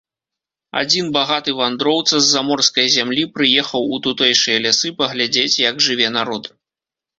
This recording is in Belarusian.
Адзін багаты вандроўца з заморскай зямлі прыехаў у тутэйшыя лясы паглядзець, як жыве народ.